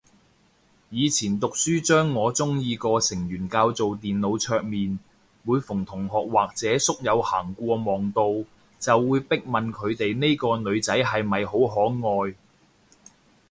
以前讀書將我鍾意個成員較做電腦桌面，每逢同學或者宿友行過望到，就會逼問佢哋呢個女仔係咪好可愛